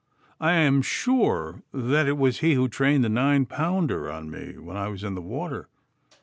I am sure that it was he who trained the nine pounder on me when I was in the water.